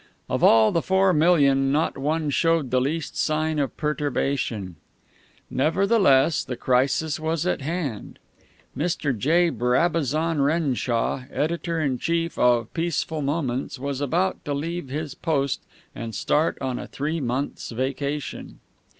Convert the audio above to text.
Of all the four million not one showed the least sign of perturbation. Nevertheless, the crisis was at hand. Mr. J. Brabazon Renshaw, Editor in chief of Peaceful Moments, was about to leave his post and start on a three months' vacation.